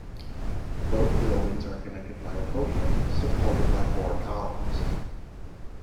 Both buildings are connected by a podium supported by four columns.